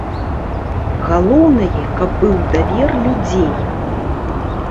Галоўнае, каб быў давер людзей.